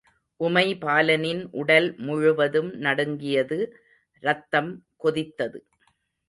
உமைபாலனின் உடல் முழுவதும் நடுங்கியது ரத்தம் கொதித்தது.